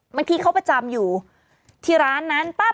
บางทีเขาประจำอยู่ที่ร้านนั้นปั๊บ